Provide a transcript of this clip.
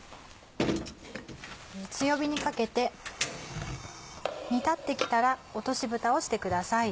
強火にかけて煮立ってきたら落としぶたをしてください。